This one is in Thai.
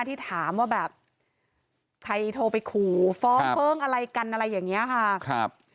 ที่ถามว่าแบบใครโทรไปขู่ฟ้องอะไรกันอะไรอย่างนี้ค่ะ